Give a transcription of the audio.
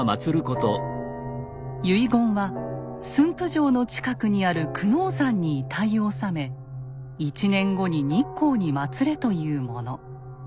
遺言は駿府城の近くにある久能山に遺体を納め１年後に日光にまつれというもの。